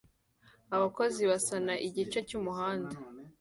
Abakozi basana igice cy'umuhanda